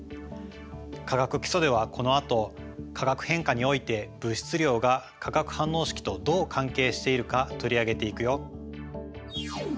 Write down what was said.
「化学基礎」ではこのあと化学変化において物質量が化学反応式とどう関係しているか取り上げていくよ。